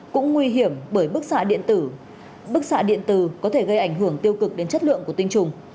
cũng nguy hiểm bởi bức xạ điện tử có thể gây ảnh hưởng tiêu cực đến chất lượng của tinh trùng